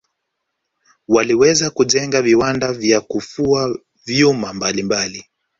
waliweza kujenga viwanda vya kufua vyuma mbalimbali